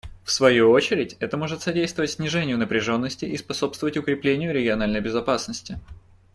В свою очередь, это может содействовать снижению напряженности и способствовать укреплению региональной безопасности.